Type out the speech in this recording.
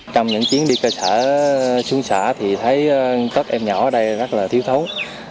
trong những chiến đi cơ sở xuống xã thì thấy các em nhỏ ở đây rất là thiếu thốn